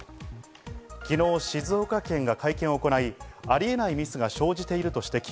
昨日、静岡県が会見を行い、ありえないミスが生じていると指摘。